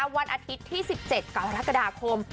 วันอาทิตย์ที่๑๗กรกฎาคม